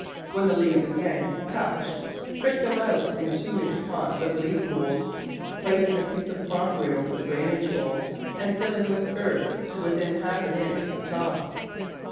When the leaves again touch prick them out in two inch pots of leaf mould, placing a piece of crockery over the drainage hole and filling with earth to within half an inch of the top.